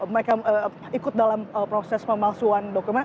mereka ikut dalam proses pemalsuan dokumen